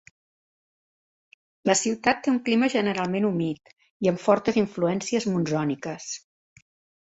La ciutat té un clima generalment humit i amb fortes influències monsòniques.